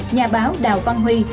nhà báo đào văn huy